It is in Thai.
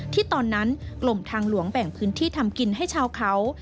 ที่ตอนนั้นกลมทางหลวงแบ่งพื้นที่ทำกินให้ชาวเขา